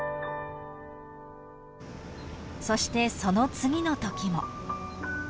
［そしてその次のときも］